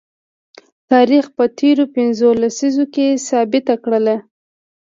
تاریخ په تیرو پنځو لسیزو کې ثابته کړله